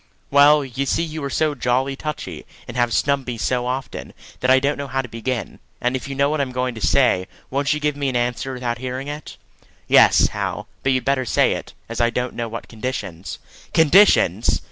"Well, you see you are so jolly touchy, and have snubbed me so often, that I don't know how to begin; and if you know what I'm going to say, won't you give me an answer without hearing it?" "Yes, Hal; but you'd better say it, as I don't know what conditions " "Conditions!"